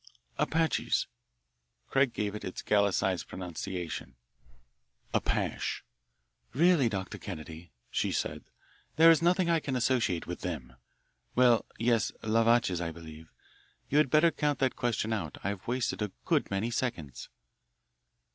"Apaches." Craig gave it its Gallicised pronunciation, "Apash." "Really, Dr. Kennedy," she said, "there is nothing I can associate with them well, yes, les vaches, I believe. You had better count that question out. I've wasted a good many seconds."